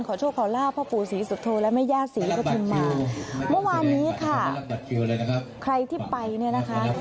โชคขอลาบพ่อปู่ศรีสุโธและแม่ย่าศรีปฐุมมาเมื่อวานนี้ค่ะใครที่ไปเนี่ยนะคะ